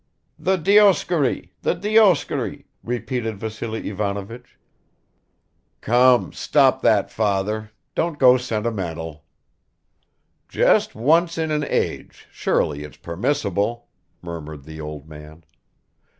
"The Dioscuri, the Dioscuri!"; repeated Vassily Ivanovich. "Come, stop that, father; don't go sentimental." "Just once in an age, surely it's permissible," murmured the old man.